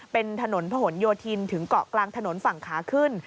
เป็นถนนผนโยธินถึงเกาะกลางถนนฝั่งขาขึ้น